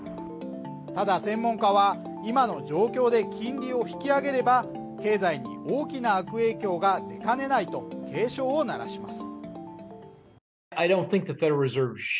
ただ専門家は今の状況で金利を引き上げれば、経済に大きな悪影響が出かねないと警鐘を鳴らします。